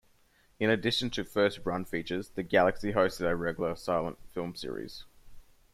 In addition to first-run features, The Galaxy hosted a regular silent film series.